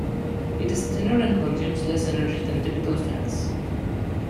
It is thinner and consumes less energy than typical fans.